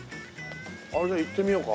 じゃあ行ってみようか。